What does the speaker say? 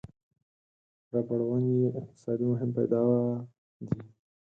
ربړ ونې یې اقتصادي مهم پیداوا دي.